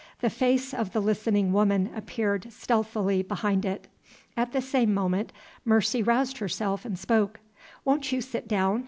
The face of the listening woman appeared stealthily behind it. At the same moment Mercy roused herself and spoke: "Won't you sit down?"